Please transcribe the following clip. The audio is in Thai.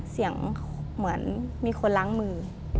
เสียงเหมือนมีคนล้างมือ